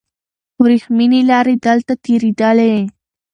وریښمینې لارې دلته تېرېدلې.